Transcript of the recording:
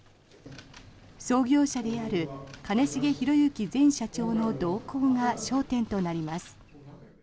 創業者である兼重宏行前社長の動向が焦点となります。